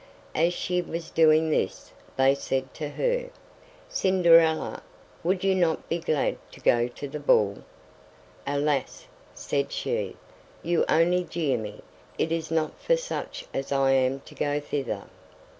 As she was doing this, they said to her: "Cinderella, would you not be glad to go to the ball?" "Alas!" said she, "you only jeer me; it is not for such as I am to go thither."